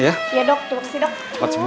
iya dok tolong sih dok